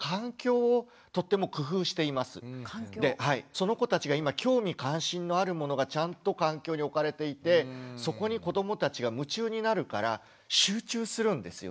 あと園によってその子たちが今興味関心のあるものがちゃんと環境に置かれていてそこに子どもたちが夢中になるから集中するんですよね。